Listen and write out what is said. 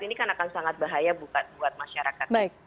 ini kan akan sangat bahaya buat masyarakat